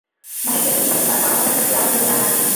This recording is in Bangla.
মুশকিল হচ্ছে, তার কর্মপদ্ধতি আমাদের জানা নেই।